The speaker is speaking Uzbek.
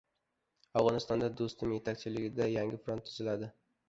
Afg‘onistonda Do‘stum yetakchiligida yangi front tuziladi